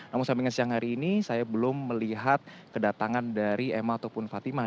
namun sampai dengan siang hari ini saya belum melihat kedatangan dari emma ataupun fatima